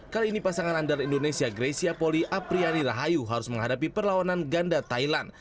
kali ini pasangan antar indonesia grecia poli apriyani rahayu harus menghadapi perlawanan ganda